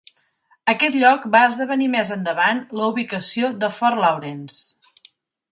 Aquest lloc va esdevenir més endavant la ubicació de Fort Laurens.